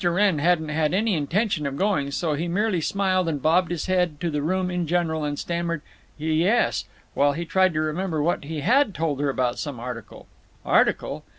Wrenn hadn't had any intention of going, so he merely smiled and bobbed his head to the room in general, and stammered "Y yes," while he tried to remember what he had told her about some article. Article.